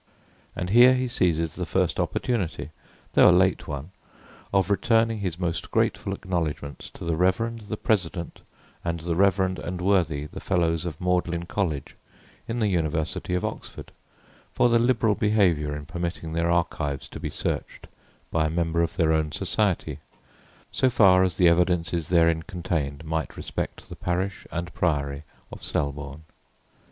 And here he seizes the first opportunity, though a late one, of returning his most grateful acknowledgments to the reverend the President and the reverend and worthy the Fellows of Magdalen College in the University of Oxford, for their liberal behaviour in permitting their archives to be searched by a member of their own society, so far as the evidences therein contained might respect the parish and priory of Selborne.